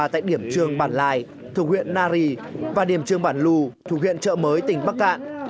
tại điểm trường bản lai thuộc huyện nari và điểm trường bản lù thuộc huyện trợ mới tỉnh bắc cạn